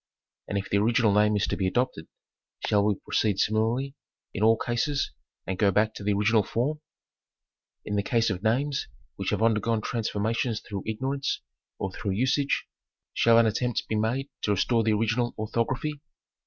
And if the original name is to be adopted, shall we proceed similarly in all cases and go back to the original form ? In the case of names which have undergone transformations through ignorance or through usage, shall an attempt be made to restore the original orthography